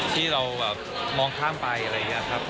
ที่เราแบบมองข้ามไปอะไรอย่างนี้ครับ